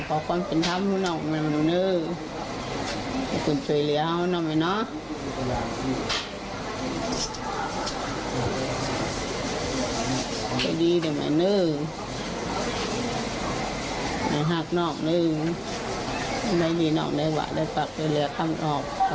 พ่อแม่นายกายร้องไห้แทบจะขาดใจเลยอะค่ะ